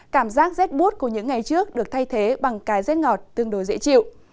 cảm giác rét bút của những ngày trước được thay thế bằng cái rét ngọt tương đối dễ chịu